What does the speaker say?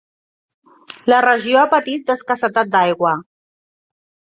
La regió ha patit d'escassetat d'aigua.